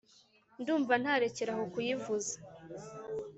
ndumva ntarekera aho kuyivuza